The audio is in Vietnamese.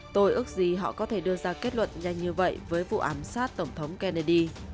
tôi ước gì họ có thể đưa ra kết luận nhanh như vậy với vụ ám sát tổng thống kennedy